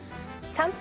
３分。